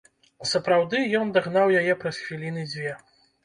Сапраўды, ён дагнаў яе праз хвіліны дзве.